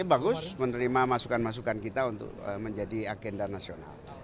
saya bagus menerima masukan masukan kita untuk menjadi agenda nasional